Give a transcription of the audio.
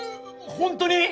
本当に！？